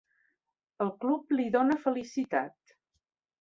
El club li dona felicitat.